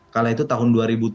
kala itu tahun dua ribu tujuh